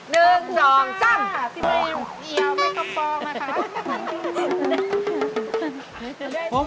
พี่เบย์เอาไมค์กำปองมาค่ะ